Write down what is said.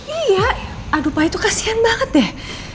iya aduh pa itu kasihan banget deh